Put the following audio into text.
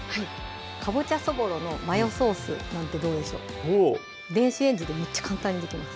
「かぼちゃそぼろのマヨソース」なんてどうでしょう電子レンジでむっちゃ簡単にできます